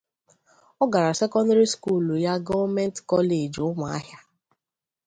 Ọ gara sekọndịrị sukulu ya Government Koleji Ụmụahịa.